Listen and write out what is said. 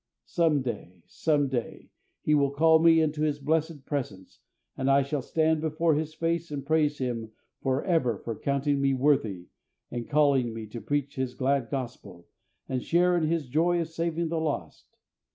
Some day, some day, He will call me into His blessed presence, and I shall stand before His face, and praise Him for ever for counting me worthy, and calling me to preach His glad Gospel, and share in His joy of saving the lost.